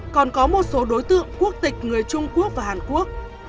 còn có một số đối tượng quốc tịch người trung quốc và hàn quốc